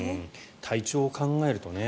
体調を考えるとね。